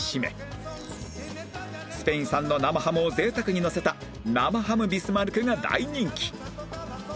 スペイン産の生ハムを贅沢にのせた生ハムビスマルクが大人気